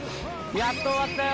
やっと終わったよ。